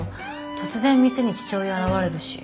突然店に父親現れるし。